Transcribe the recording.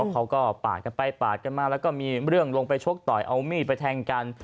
เขาก็ปาดกันไปปาดกันมาแล้วก็มีเรื่องลงไปชกต่อยเอามีดไปแทงกัน